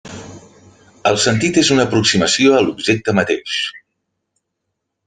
El sentit és una aproximació a l'objecte mateix.